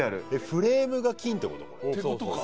フレームが金ってこと？ってことか。